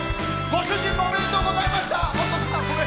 ご主人もおめでとうございました。